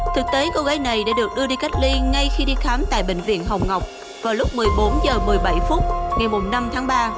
thực tế cô gái này đã được đưa đi cách ly ngay khi đi khám tại bệnh viện hồng ngọc vào lúc một mươi bốn h một mươi bảy phút ngày năm tháng ba